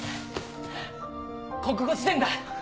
国語辞典だ。